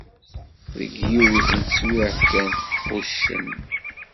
Deg yiwet n teswiɛt kan, quccen.